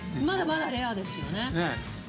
まだまだレアですよね。